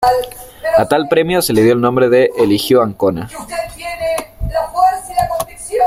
A tal premio se le dio el nombre de "Eligio Ancona".